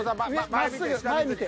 まっすぐ前見て。